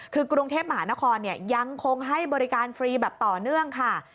คือกรุงเทพมหานครยังคงให้บริการฟรีแบบต่อเนื่องค่ะ